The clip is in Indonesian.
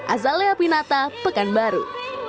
azalea pinata pekan baru